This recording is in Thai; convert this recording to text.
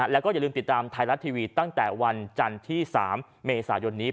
แล้วก็อย่าลืมติดตามไทยรัฐทีวีตั้งแต่วันจันทร์ที่๓เมษายนนี้